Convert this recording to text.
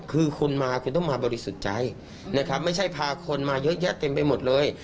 คือคุณมาคุณต้องมาบริสุทธิ์ใจนะครับไม่ใช่พาคนมาเยอะแยะเต็มไปหมดเลย